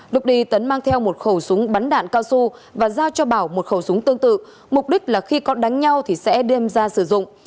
lúc đi tấn mang theo một khẩu súng bắn đạn cao su và giao cho bảo một khẩu súng tương tự mục đích là khi có đánh nhau thì sẽ đem ra sử dụng